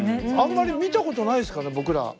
あんまり見たことないですから僕ら。